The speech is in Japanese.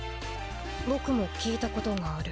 僕も聞いたことがある。